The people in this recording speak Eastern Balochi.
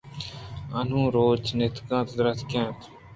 انوں روچ اِنتیکے ءَ درّائینت